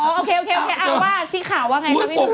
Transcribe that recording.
โอ้โฮโอเคอะที่ข่าวว่าไงนะ